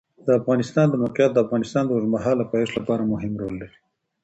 د افغانستان د موقعیت د افغانستان د اوږدمهاله پایښت لپاره مهم رول لري.